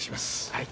はい。